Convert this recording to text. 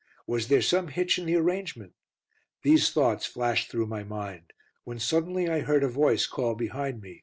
"Was there some hitch in the arrangement?" These thoughts flashed through my mind, when suddenly I heard a voice call behind me.